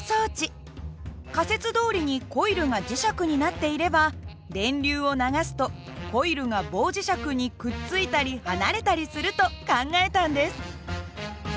仮説どおりにコイルが磁石になっていれば電流を流すとコイルが棒磁石にくっついたり離れたりすると考えたんです。